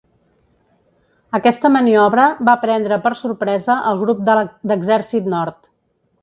Aquesta maniobra, va prendre per sorpresa al Grup d'Exèrcit Nord.